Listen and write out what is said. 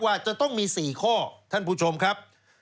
ว่าจะต้องมี๔ข้อท่านผู้ชมครับ